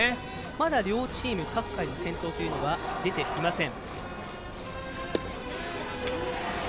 まだ両チーム各回の先頭ランナーは出ていません。